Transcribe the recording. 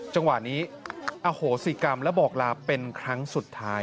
จังหวะนี้อโหสิกรรมและบอกลาเป็นครั้งสุดท้าย